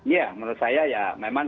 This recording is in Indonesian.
ya menurut saya ya memang